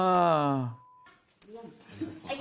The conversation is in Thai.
น้าสาวของน้าผู้ต้องหาเป็นยังไงไปดูนะครับ